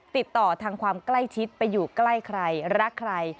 ติดต่อทางความใกล้ชิดไปอยู่ใกล้ใครรักใคร